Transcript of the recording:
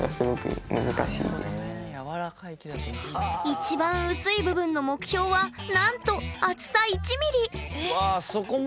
一番薄い部分の目標はなんと厚さ１ミリ。